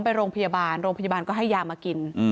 ไปโรงพยาบาลโรงพยาบาลก็ให้ยามากิน